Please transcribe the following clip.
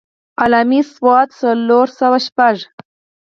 علّامي ص څلور سوه شپږ.